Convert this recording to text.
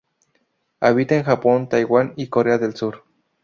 Habita en Japón Taiwán y Corea del Sur.